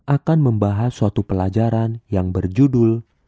akan membahas suatu pelajaran yang berjudul